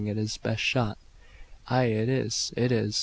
It is best not." "Ay, it is, it is."